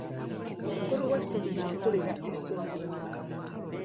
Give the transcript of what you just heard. Omukulu w'essomero akulira essomero.